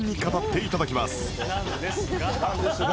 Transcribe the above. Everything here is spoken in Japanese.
「なんですが」。